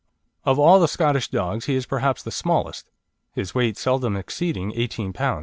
Of all the Scottish dogs he is perhaps the smallest; his weight seldom exceeding 18 lb.